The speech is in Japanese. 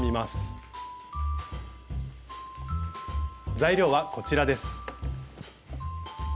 材料はこちらです。